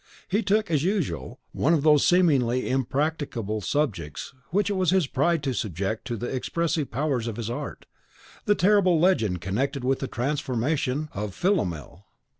He took, as usual, one of those seemingly impracticable subjects which it was his pride to subject to the expressive powers of his art, the terrible legend connected with the transformation of Philomel.